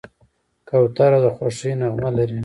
کوتره د خوښۍ نغمه لري.